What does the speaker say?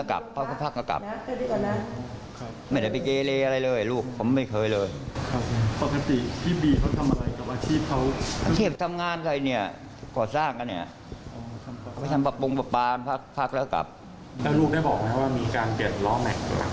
แล้วลูกได้บอกว่ามีการเปลี่ยนล้อแม็กซ์ก็ใช่ไหม